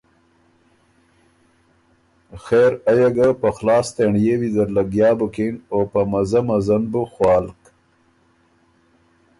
خېر ائه ګه په خلاص تېنړيې ویزر لګیا بُکِن او په مزۀ مزۀ ن بُو خوالک